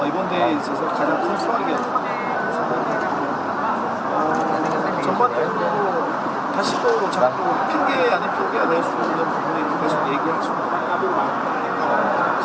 bukan hanya pemain saja yang bermain bagus